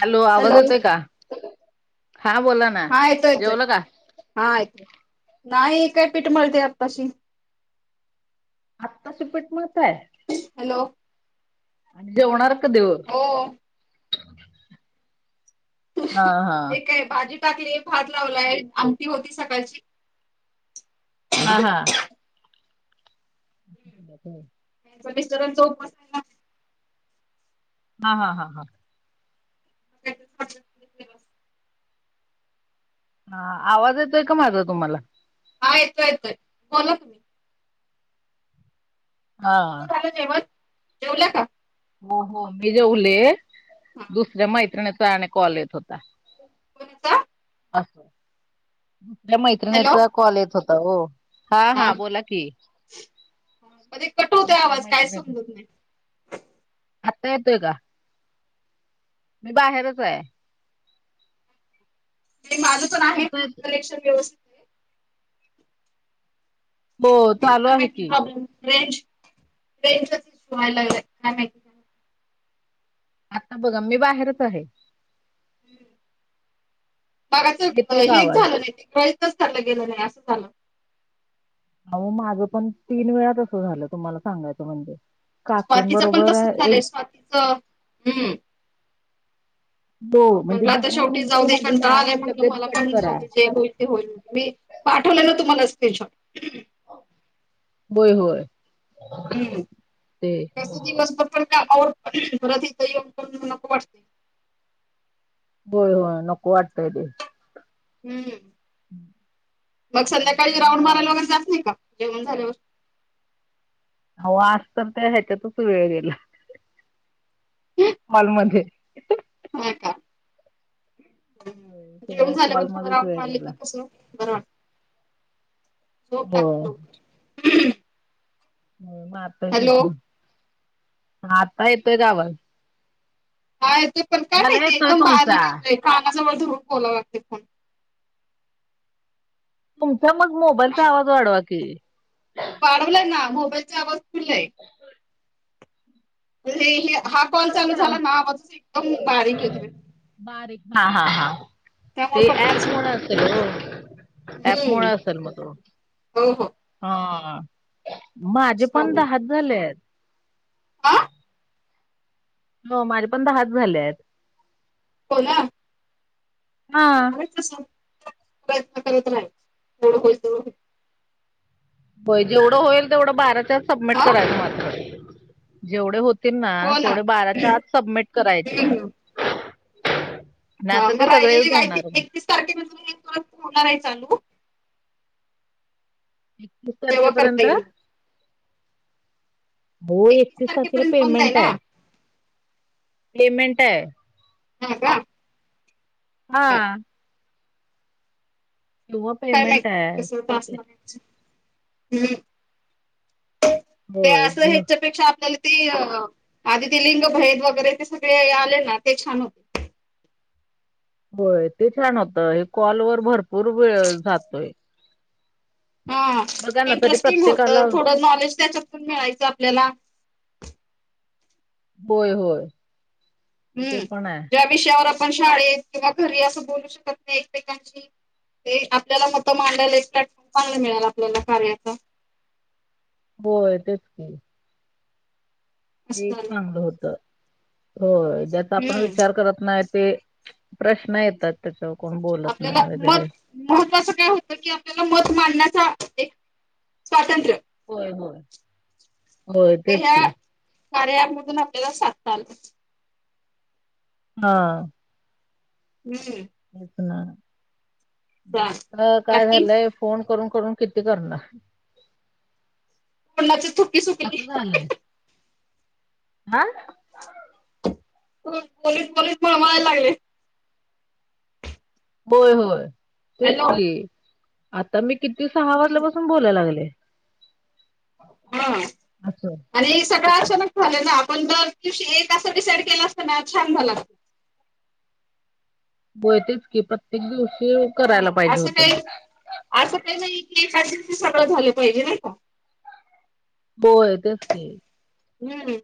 Hello आवाज येतोय का हा बोला ना हा येतो येतोय जेवलं का? हा येतोय नाही काय पीठ मळते आत्ताशी आत्ताशी पीठ मळताय आहे? हॅलो आणि जेवणार कधी ओ हो हा हा हे काय भाजी टाकली भात लावलाय आमटी होती सकाळची हा हा [unintelligible] [inaudible] मिस्टरांचा उपवास आहे ना. हा हा हा हा. [unintelligible] [inaudible] हा आवाज येतोय का माझा तुम्हाला? हा येतो येतोय बोला की. हा. तुमचं झालं जेवण? जेवल्या का? हो हो मी जेवले हा दुसऱ्या मैत्रिणीचा आणि कॉल येत होता. कोणाचा अ. दुसऱ्या हॅलो मैत्रिणीचा कॉल येत होता ओ हा हा बोला कि मध्ये कट होतोय आवाज काय समजत नाय. हात्ता येतोय का? मी बाहेरच आहे. आणि माझं पण आहे तुमचा येतोय? कलेक्शन व्यवस हो चालू आहे की. प्रोब्लम रेंज रेंजच व्हाय लागलय, काय माहीत? आता बघा मी बाहेरच आहे. मगासचं अ येतोय का हेच आवाज? झालं नाये ते व्हाइसच [unintelligible] गेलं नाही असं झालं. अहो माझं पण तीन वेळा तसं झालं तुम्हाला सांगायचं म्हणजे स्वातीचं पण काकींबरोबर तसच एक झालंय स्वातीचं हम्म. हो म्हणजे म्हटलं आता दहा शेवटी मिनिटं जाऊदे झाली कंटाळा ना आलायं की म्हटलं लगेच मला कट पण करा. जाऊदे जे होईल ते होईल मी पाठवलेला तुम्हाला स्कीन शॉट बोय होय. हम्म ते तसं दिवसभर पण कामावर परत इथं येऊन पण नको वाटतय. होय होय नको वाटतय ते. हम्म मग मी संध्याकाळी पण राऊंड मारायला अ, वगैरे जात नाही का जेवण झाल्यावर अहो आज तर त्या ह्याच्यातच वेळ गेला कॉलमध्ये होय का. ह जेऊन सगळ्या झालं की थोडा कॉलमध्येच राऊंड वेळ मारलं गेला. की कस बरं वाटत. झोप होय लागत. हो मारतोय इथ, आता येतोय का आवाज? हा येतोय पण काय मला मायती येतोय एकदम तुमचा. बारीक येतोय कानाजवळ धरून बोलावं लागते फोन. तुमचा मग मोबाईलचा आवाज वाढवा की वाढवलंय ना मोबाईलचा आवाज फुल ये. हे हे मग हा कॉल तुम्हाला चालू कसा झाला आवाज ना मग ते एकदम बारीक येतोय. बारीक हा हा हा त्यामुळे ते पटकन अँप मुळ समजत असल ओ. अँप मुळ हम्म असल मग हो हो हा माझे पण दहाच झालेत. आं. हो माझे पण दहाच झालेत. हो ना. हा. [unintelligible] प्रयत्न करत राहीन जेवढ होईल तेवढं होईल. होय. जेवढं होईल तेवढं बाराच्या आत सबमिट हा करायच मात्र, जेवढे होत तीन ना तेवढे बाराच्या आत सबमिट करायचे. हम्म हम्म. हा नाही तर म ते सगळेच राहिलेली काय ते घालणार मग एकतीस तारखे नंतर म हे परत होणार ये चालू. तीस तारखे तेव्हा करता पर्यंत येईल. हो. एकतीस तारखेला तारखेपर्यंत बंद आहे पेमेंट ना ये, पेमेंट ये. हा का बर हां किंवा काय पेमेंट माहिती कसं टास्क आहे मध्ये [unintelligible] ते होय असंल ह्याच्यापेक्षा आपल्याल ती आधी ती लिंग भेद वगैरे ते सगळे आले ना ते छान होते. होय. ते छान होतं. हे कॉल वर भरपूर वेळ जातोय. हा बघा ना तरी इंटरेस्टिंग प्रत्येकाला होतं. थोडं नॉलेज त्याच्यात पण मिळायचं आपल्याला होय, होय. ते हम्म, पण आहे ज्या विषयावर आपण शाळेत किंवा घरी असं बोलू शकत नाय एकमेकांशी ते आपल्याला मत मांडायला एक प्लॅटफॉर्म चांगला मिळाल आपल्याला कार्याच होय. तेच की हे असं एक झालं चांगलं होत. होय ज्याचा आपण हम्म विचार करत नाईत ते प्रश्न येतात. त्याच्यावर कोण बोल आपल्याला मत महत्त्वाचं काय होतं की, आपल्याला मत मांडण्याचा एक स्वातंत्र्य होय, होय, होय. तेच की, कार्या अँप मधून आपल्याला साधता आलं. हा हम्म हेच ना, म चालतंय. आता काय बाकी झालंय फोन करून करून किती करणार? तोंडाची थुकी सुकली. असं झालंय. हा होय. बोलीस बोलीस मळमळायला लागलय. होय होय. तेच हॅलो की, आता मी किती सहा हम्म वाजल्यापासून बोलाय लागले. म असं आणि हे सगळं अचानक झालं ना, आपण दर दिवशी एक असं डिसाईड केलं असतं ना, छान झाल असतं. होय. तेच की, प्रत्येक दिवशी करायला हा पाहिजे असं होत. काही म असं काय नाही की, एकाच दिवशी सगळं झालं पाहिजे नाय का? होय. तेच की, हम्म,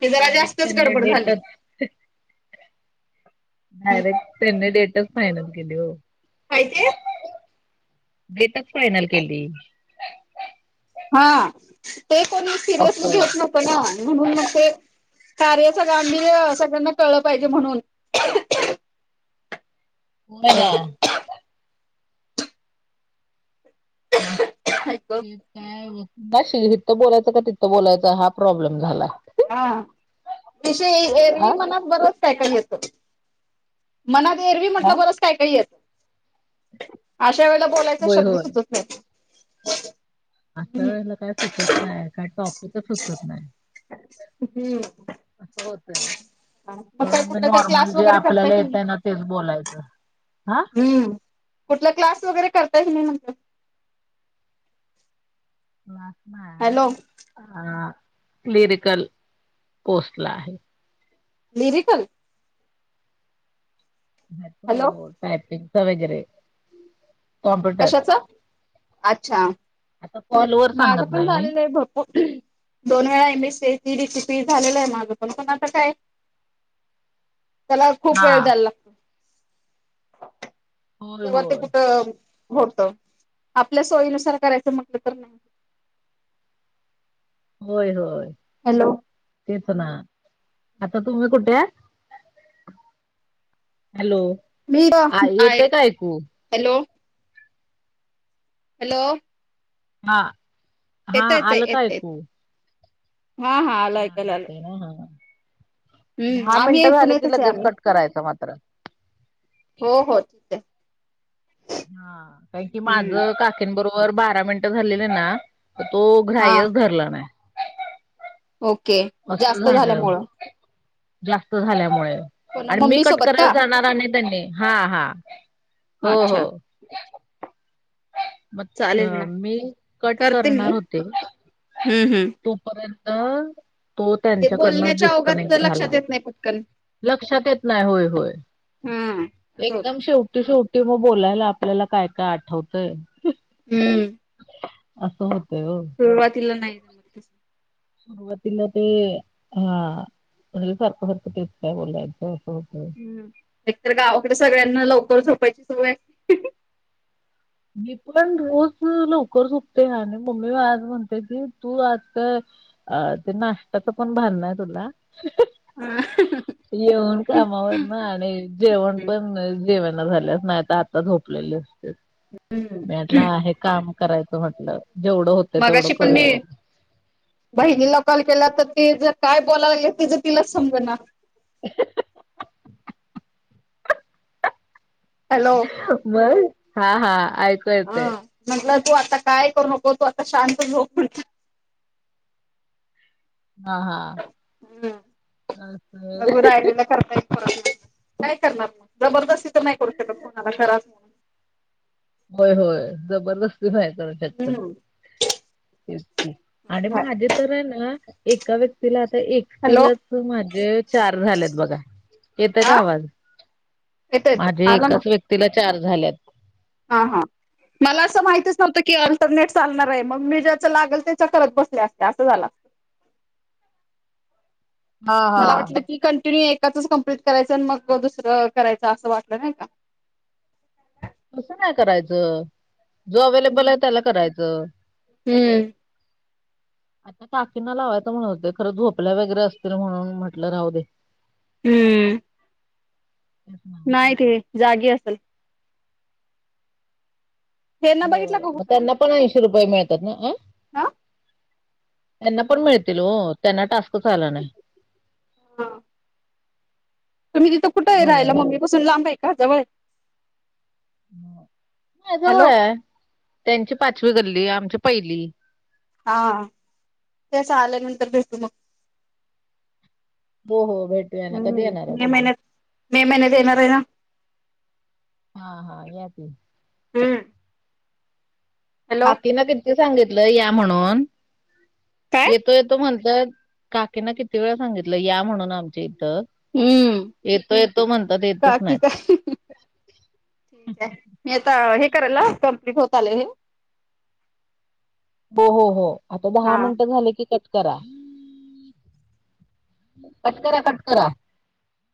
ते जरा डायरेक्ट जास्तच त्यांनी गडबड झाली. डेटच हम्म डायरेक्ट त्यांनी डेटच फायनल केली. ओ काय ते? डेटच फायनल केली. हा, ते कोणी सिरियसली असं. घेत नव्हत ना, म्हणून मग ते कार्याचं गांभीर्य सगळ्यांना कळलं पाहिजे. म्हणून होय ना [inaudible] तेच काय, [unintelligible] इथं बोलायचं का तिथं बोलायचं हा प्रॉब्लेम झाला. हा, विषय आ एरवी मनात बरच काय काय येत. मनात एरवी हा म्हटलं बरच काय काय येत. अशा वेळेला बोलायचा होय शब्द होय. सुचत नाय. आशा वेळेला काय सुचत नाय, काय टॉपिकच सुचत नाय. हम्म. अस होतय, मग काय म्हणून मी कुठला काही नॉर्मल क्लास जे वगैरे करताय आपल्याला तुम्ही येतय ना तेच बोलायचं हा? हम्म, कुठला क्लास वगैरे करताय की नायी म्हटलं? क्लास नाय. हॅलो. हा, क्लियरिकल कोर्सला आहे. लिरिकल? नको हॅलो ओ टायपिंगचा वगैरे. कॉम्प्युटर कशाच? अच्छा. आता कॉल माझं पण झालेलं आहे भर दोन वेळा M A C I T DCP झालेल हाय माझं पण पण आता काय? त्याला खूप हा वेळ द्यायला लाग होय तेव्हा ते होय कुठं होत, आपल्या सोयीनुसार करायचं म्हटलं तर नाय होय होय. हॅलो. तेच ना. आता तूम्ही कुठेए. हॅलो, मी आ आहे येतय का ऐकू? Hello, hello. हा हा येत येत आलं येत का येत ऐकू? हा हा आल ऐकायला आल. दहा मिनट आम्ही झाले की पुण्यातच आहे लगेच आम्ही कट करायचा मात्र. हो, हो ठीकए. हा कायण की हम्म माझं काकींबरोबर बारा मिनटं झालेले ना तो हा ग्राह्यच धरला नाय. ओके असं जास्त झालं झाल्यामुळ? जास्त झाल्यामुळे. हो ना आणि मी मम्मी कट सोबत करायला का जाणार अणि त्यांनी हा हा. हो, अच्छा हो. मग चालेल अ ना मी कट करते मी करणार होते. हम्म हम्म तोपर्यंत अ. तो ते त्यांच्याकडन बोलण्याच्या ओघात डिस्कनेक्ट झाला, लक्षात येत नाही पटकन लक्षात येत नाय होय होय. हा असं होत एकदम शेवटी शेवटी म बोलायला आपल्याला काय काय आठवतंय. हम्म. असं होतंय ओ. सुरुवातीला नाय सुरुवातीला ते हा म्ह सारख सारख तेच काय बोलायचं अस होतंय. हम्म, एकतर गावाकड सगळ्यांना लवकर झोपायची सवय. मी पण रोज लवकर झोपते, आणि मम्मी आज म्हणते की तू आता अ ते नाश्त्याची पण भान नाय तुला. ह हम हम. येऊन कामावर न आलेत जेवण पण जेवना झाल्यात आता झोपलेले असते. हं. भेटला आहे काम करायचं म्हटलं जेवढं हो मागाशी पण मी बहिणीला कॉल केला तर तिज काय बोलायला तिज तिलाच समज ना. [unintelligible] हॅलो. मग हा हा आ हं चल ग तू आता काय करू नको, तू आता शांत झोप म्हटलं. हा हा. हं अस बघू राहिलेलं करता नाही करणार जबरदस्ती तर नाही करू शकत कोणाला कराच होय होय जबरदस्ती [unintelligible] तेच तर हम्म तेच की आणि माझ्या तर आहे ना एका व्यक्तीला आता हॅलो एकटीलाच माझं चार झालेत बघा. येतोय हा का आवाज येतो येतो माझे आला ना एकाच व्यक्तीला चार झाल्यात. हा हा. मला असं माहितच नव्हत की अल्टरनेट चालणार आहे मग मी ज्याच लागेल त्याच्या करत बसले असते असं झाला. हा मला हा. वाटलं की कंटिन्यू एकाच कंप्लीट करायचं आणि मग दुसरं करायचं असं वाटलं नाही का? तसं नाही करायचं. जो अवेलेबल आहे त्याला करायचं. हम्म आता काकींना लावायचं म्हणत होते खरं झोपल्या वगैरे असतील म्हणून म्हटलं राहू दे. हं. [inaudible] नाईट हे जागी असल. हे ना बघितलं होय मत्यांना पण ऐंशी रुपये मिळतात ना, अ आ. त्यांना पण मिळतील ओ त्यांना टास्कच आला नाही. तुम्ही तिथं कुठे आहे झालंय राहिला ना. मम्मी पासून लांब आहे का जवळ नाय हॅलो जवळय आहे त्यांची पाचवी गल्ली, आमची पहिली. हा त्याच आल्यानंतर भेटू मग. हो हो भे हम्म मे महिन्यात मे महिन्यात येणार आहे ना. हा हा या की. हम्म हॅलो काकीना किती सांगितलं या म्हणून, काय येतो येतो म्हणतायत. काकीना किती वेळा सांगितलं या म्हणून आमच्या इथं. हम्म येतो येतो म्हणतात येतच का की नाहीत. काय ठीक आहे, येता हे करायल कंमप्लीट होत आलंय. हो हो हो आता दहा हा मिनिटं झाले की कट करा, कटकरा कटकरा.